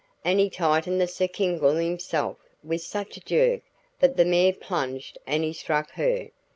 And he tightened the surcingle himself with such a jerk that the mare plunged and he struck her.